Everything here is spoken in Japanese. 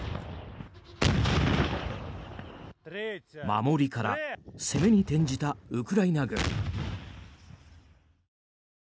守りから攻めに転じたウクライナ軍。